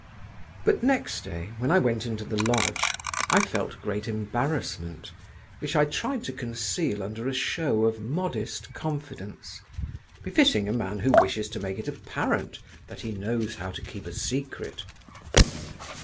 But, next day, when I went into the lodge, I felt great embarrassment, which I tried to conceal under a show of modest confidence, befitting a man who wishes to make it apparent that he knows how to keep a secret.